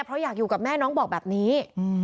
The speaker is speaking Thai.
เพราะอยากอยู่กับแม่น้องบอกแบบนี้